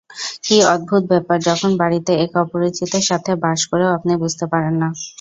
কি অদ্ভুত ব্যাপার যখন বাড়িতে এক অপরিচিতের সাথে বাস করেও আপনি বুঝতে পারেন না।